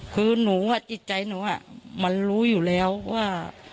คือหนูจิตใจหนูมันรู้อยู่แล้วว่า